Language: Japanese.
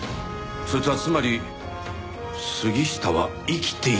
そいつはつまり杉下は生きていたという事か？